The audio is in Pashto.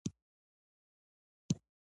اىښى مې پر سر دى ستا د مخ د مينې گل